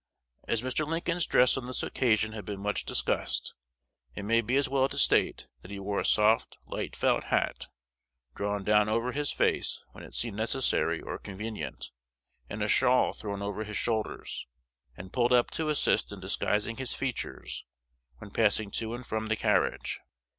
As Mr. Lincoln's dress on this occasion has been much discussed, it may be as well to state that he wore a soft, light felt hat, drawn down over his face when it seemed necessary or convenient, and a shawl thrown over his shoulders, and pulled up to assist in disguising his features when passing to and from the carriage.